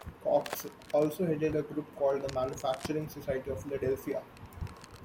Coxe also headed a group called the Manufacturing Society of Philadelphia.